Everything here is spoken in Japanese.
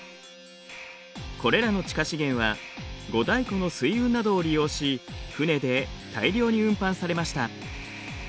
これらの地下資源は五大湖の水運などを利用し船で大量に運搬されました。